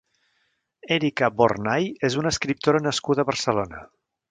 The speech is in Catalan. Erika Bornay és una escriptora nascuda a Barcelona.